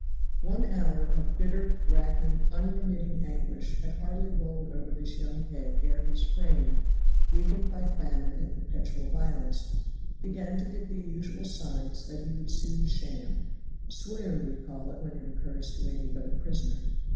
One hour of bitter, racking, unremitting anguish had hardly rolled over this young head ere his frame, weakened by famine and perpetual violence, began to give the usual signs that he would soon sham swoon we call it when it occurs to any but a prisoner.